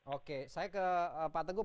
oke saya ke pak teguh